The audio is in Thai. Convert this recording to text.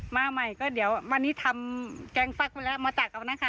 มาใหม่ก็เดี๋ยววันนี้ทำแกงฟักมาแล้วมาตักเอานะคะ